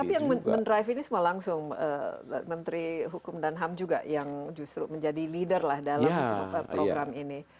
tapi yang mendrive ini semua langsung menteri hukum dan ham juga yang justru menjadi leader lah dalam program ini